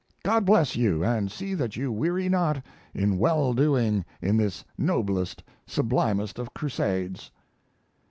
God bless you and see that you weary not in well doing in this noblest, sublimest of crusades."